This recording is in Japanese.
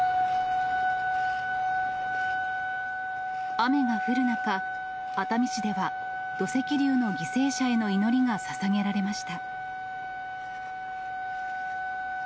雨が降る中、熱海市では、土石流の犠牲者への祈りがささげられました。